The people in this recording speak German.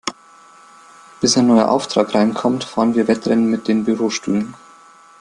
Bis ein neuer Auftrag reinkommt, fahren wir Wettrennen mit den Bürostühlen.